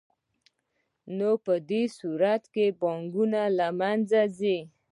نو په دې صورت کې بانکونه له منځه ځي